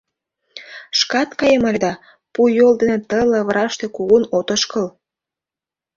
Шкат каем ыле да — пу йол дене ты лавыраште кугун от ошкыл.